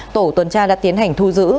tổ tuần tra đã tiến hành thu giữ